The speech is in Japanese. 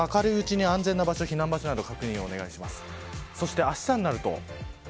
明るいうちに安全な場所避難場所などの確認をお願いします。